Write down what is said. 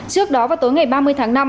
trước đó vào tối ngày ba mươi tháng năm